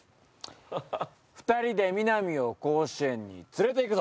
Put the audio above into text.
２人で南を甲子園に連れていくぞ。